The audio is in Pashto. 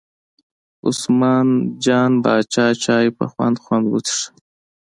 عثمان جان پاچا چای په خوند خوند وڅښه.